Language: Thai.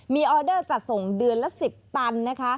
มีออเดอร์จัดส่งเดือนละ๑๐ตันนะคะ